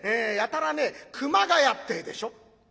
やたらね「くまがや」ってえでしょ。